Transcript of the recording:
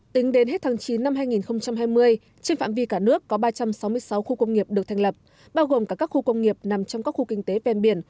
tính đến hết tháng chín năm hai nghìn hai mươi trên phạm vi cả nước có ba trăm sáu mươi sáu khu công nghiệp được thành lập bao gồm cả các khu công nghiệp nằm trong các khu kinh tế ven biển